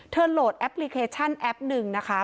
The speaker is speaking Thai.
โหลดแอปพลิเคชันแอปหนึ่งนะคะ